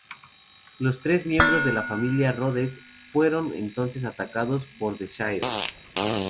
Los tres miembros de la familia Rhodes fueron entonces atacados por The Shield.